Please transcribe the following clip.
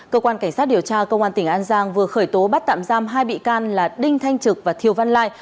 cơ quan cảnh sát điều tra công an tỉnh an giang vừa khởi tố bắt tạm giam hai bị can là đinh thanh trực và thiều văn lai